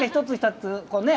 １つ、２つ。